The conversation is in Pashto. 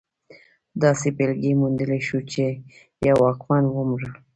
داسې بېلګې موندلی شو چې یو واکمن ومړ.